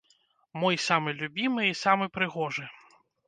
Мой самы любімы і самы прыгожы.